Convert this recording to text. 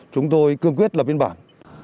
chúng tôi cương quyết là biên bản